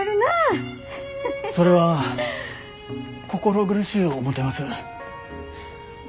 それは心苦しゅう思てます。